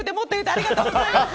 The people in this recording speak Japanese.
ありがとうございます。